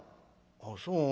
ああそう。